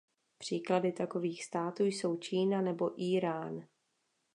Příklady takových států jsou Čína nebo Írán.